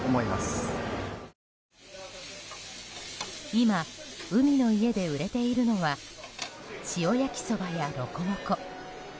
今、海の家で売れているのは塩焼きそばやロコモコ。